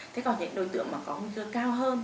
thế còn những đối tượng mà có nguy cơ cao hơn